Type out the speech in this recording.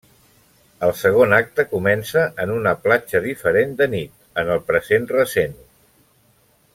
El segon acte comença en una platja diferent de nit, en el present recent.